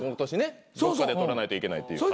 どっかで取らないといけないっていう。